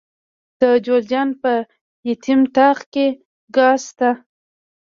د جوزجان په یتیم تاغ کې ګاز شته.